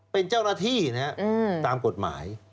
เป็นเจ้าหน้าที่นะครับตามกฎหมาย